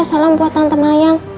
salam buat tante mayan